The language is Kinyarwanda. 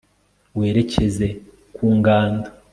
werekeze ku ngando